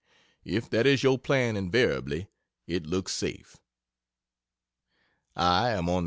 If that is your plan invariably, it looks safe. I am on the N.